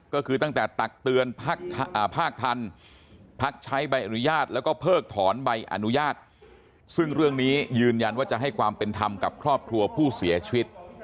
ก็คือตั้งแต่ตักเตือนภาคทันพักใช้ใบอนุญาตแล้วก็เพิกถอนใบอนุญาตซึ่งเรื่องนี้ยืนยันว่าจะให้ความเป็นธรรมกับครอบครัวผู้เสียชีวิต